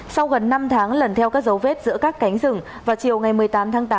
sau gần năm tháng lần theo các dấu vết giữa các cánh rừng vào chiều ngày một mươi tám tháng tám